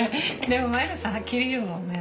でも前田さんはっきり言うもんね。